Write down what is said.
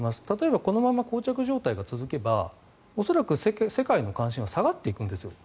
例えばこのままこう着状態が続けば恐らく世界の関心は下がっていくんです。